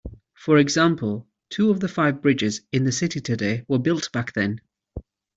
For example, two of the five bridges in the city today were built back then.